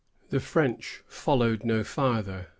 The French followed no farther.